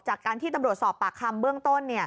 จากการที่ตำรวจสอบปากคำเบื้องต้น